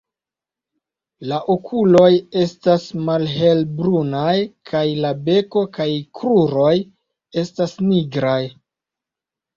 La okuloj estas malhelbrunaj kaj la beko kaj kruroj estas nigraj.